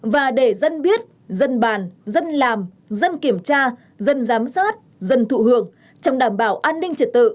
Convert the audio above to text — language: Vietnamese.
và để dân biết dân bàn dân làm dân kiểm tra dân giám sát dân thụ hưởng trong đảm bảo an ninh trật tự